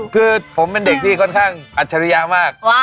คือผมเป็นเด็กที่ค่อนข้างอัจฉริยะมาก